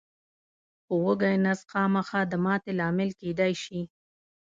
خو وږی نس خامخا د ماتې لامل کېدای شي.